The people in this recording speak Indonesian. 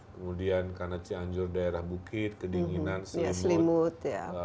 kemudian karena cianjur daerah bukit kedinginan selimut